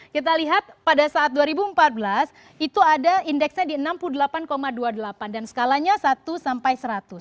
kita lihat pada saat dua ribu empat belas itu ada indeksnya di enam puluh delapan dua puluh delapan dan skalanya satu sampai seratus